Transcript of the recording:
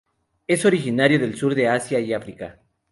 Es originario del sur de Asia y África.